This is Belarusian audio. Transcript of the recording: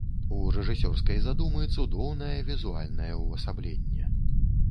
У рэжысёрскай задумы цудоўнае візуальнае ўвасабленне.